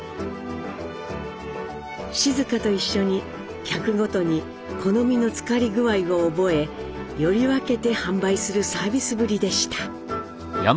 静香と一緒に客ごとに好みの漬かり具合を覚えより分けて販売するサービスぶりでした。